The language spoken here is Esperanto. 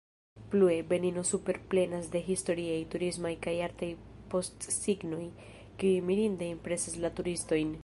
Plue, Benino superplenas de historiaj, turismaj, kaj artaj postsignoj, kiuj mirinde impresas la turistojn.